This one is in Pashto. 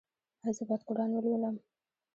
ایا زه باید قرآن ولولم؟